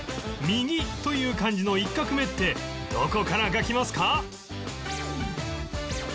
「右」という漢字の１画目ってどこから書きますか？